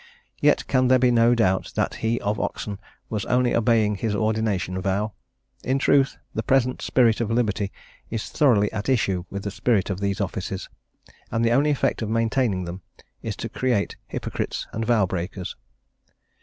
Yet can there be no doubt that he of Oxon was only obeying his ordination vow. In truth the present spirit of liberty is thoroughly at issue with the spirit of these offices, and the only effect of maintaining them is to create hypocrites and vow breakers.